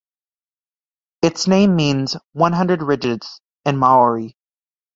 Its name means "one hundred ridges" in Maori.